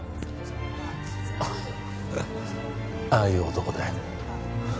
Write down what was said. ああいう男だよ